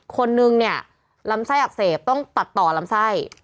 คนนึงเนี่ยลำไส้อักเสบต้องตัดต่อลำไส้